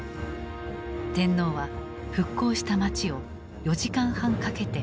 天皇は復興した街を４時間半かけて回った。